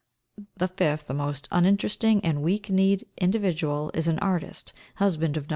The fifth, a most uninteresting and weak kneed individual, is an artist, husband of No.